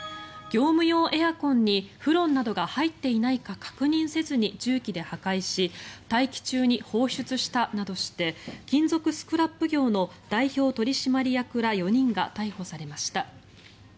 業務用エアコンにフロンなどが入っていないか確認せずに重機で破壊し大気中に放出したなどして金属スクラップ業の代表取締役ら４人が逮捕されました。